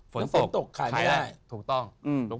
ฝนตกขายไม่ได้